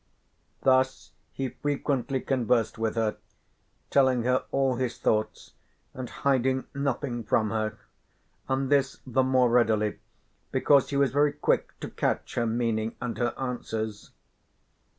Thus he frequently conversed with her, telling her all his thoughts and hiding nothing from her, and this the more readily because he was very quick to catch her meaning and her answers.